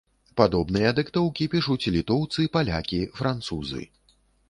Падобныя дыктоўкі пішуць літоўцы, палякі, французы.